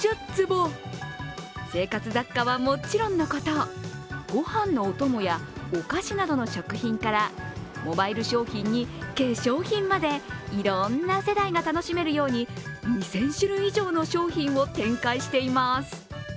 生活雑貨はもちろんのこと御飯のお供やお菓子などの食品からモバイル商品に化粧品までいろんな世代が楽しめるように２０００種類以上の商品を展開しています。